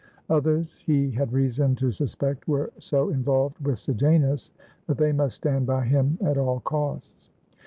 Others he had reason to suspect were so involved with Sejanus that they must stand by him at all costs.